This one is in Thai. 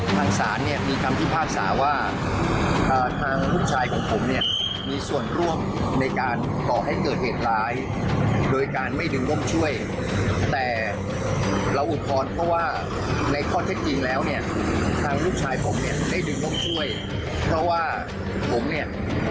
ทางศาลเนี่ยมีคำพิพากษาว่าทางลูกชายของผมเนี่ยมีส่วนร่วมในการก่อให้เกิดเหตุร้ายโดยการไม่ดึงงบช่วยแต่เราอุทธรณ์เพราะว่าในข้อเท็จจริงแล้วเนี่ยทางลูกชายผมเนี่ยได้ดึงงบช่วยเพราะว่าผมเนี่ย